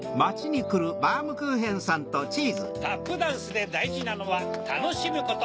タップダンスでだいじなのはたのしむこと。